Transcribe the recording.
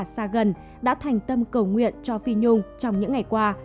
các khán giả xa gần đã thành tâm cầu nguyện cho phi nhung trong những ngày qua